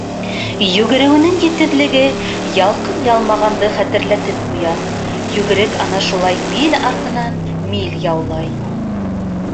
Йүгереүенең етеҙлеге ялҡын ялмағанды хәтерләтеп ҡуя, йүгерек ана шулай миль артынан миль яулай.